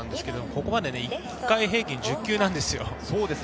ここまで１回平均１０球なんですよ。